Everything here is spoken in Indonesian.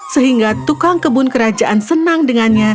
sehingga tukang kebun kerajaan senang dengan dia